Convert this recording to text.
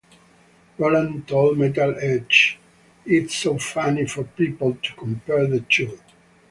Roland told "Metal Edge", "It's so funny for people to compare the two.